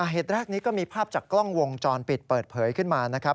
เหตุแรกนี้ก็มีภาพจากกล้องวงจรปิดเปิดเผยขึ้นมานะครับ